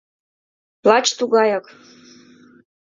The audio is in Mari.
Лач тугаяк.